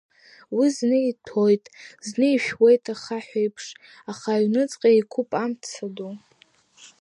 Уи зны иҭәоит, зны ишәуеит ахаҳә еиԥш, аха аҩнуҵҟа еиқәуп амца ду…